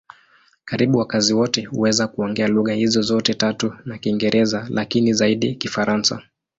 Karibu wakazi wote huweza kuongea lugha hizo zote tatu na Kiingereza, lakini zaidi Kifaransa.